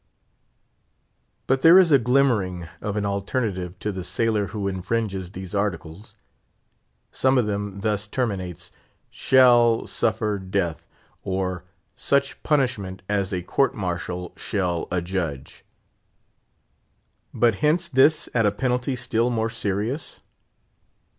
But there is a glimmering of an alternative to the sailor who infringes these Articles. Some of them thus terminates: "Shall suffer death, or such punishment as a court martial shall adjudge." But hints this at a penalty still more serious?